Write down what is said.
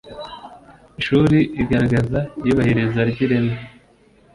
shuri igaragaza iyubahiriza ry ireme